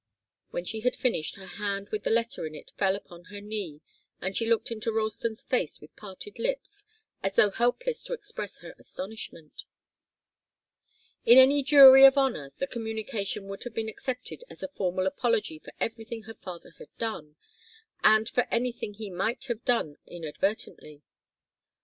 When she had finished, her hand with the letter in it fell upon her knee and she looked into Ralston's face with parted lips, as though helpless to express her astonishment. In any jury of honour the communication would have been accepted as a formal apology for everything her father had done, and for anything he might have done inadvertently.